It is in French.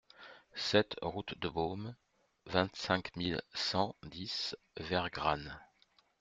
sept route de Baume, vingt-cinq mille cent dix Vergranne